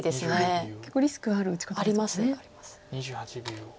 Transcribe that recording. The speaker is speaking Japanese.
結構リスクある打ち方。あります。